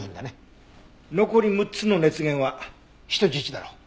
残り６つの熱源は人質だろう。